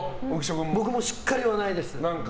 僕もしっかりはないです。